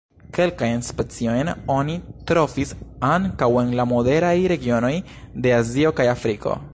Kelkajn speciojn oni trovis ankaŭ en la moderaj regionoj de Azio kaj Afriko.